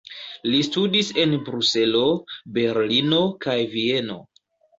Li studis en Bruselo, Berlino kaj Vieno.